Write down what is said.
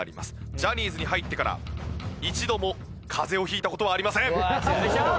ジャニーズに入ってから一度も風邪を引いた事はありません！